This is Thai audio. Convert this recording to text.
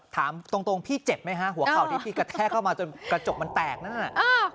ถามตรงพี่เจ็บไหมฮะหัวเข่าที่พี่กระแทกเข้ามาจนกระจกมันแตกนั่นน่ะ